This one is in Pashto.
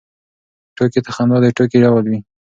ټوکې ته خندا د ټوکې ډول دی.